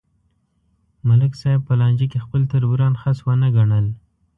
ملک صاحب په لانجه کې خپل تربوران خس ونه گڼل